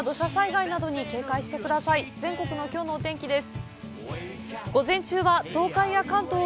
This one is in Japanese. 全国のきょうのお天気です。